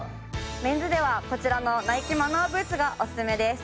メンズではこちらのＮＩＫＥマノアブーツがオススメです。